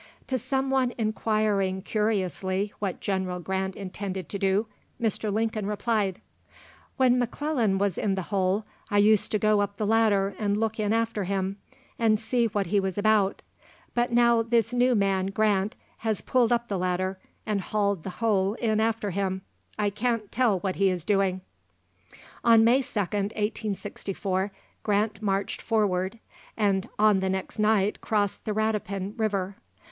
To some one inquiring curiously what General Grant intended to do, Mr. Lincoln replied, "When M'Clellan was in the hole, I used to go up the ladder and look in after him, and see what he was about; but, now this new man, Grant, has pulled up the ladder and hauled the hole in after him, I can't tell what he is doing." On May 2nd, 1864, Grant marched forward, and on the next night crossed the Rapidan river.